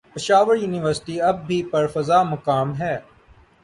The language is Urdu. پشاور یونیورسٹی اب بھی پرفضامقام ہے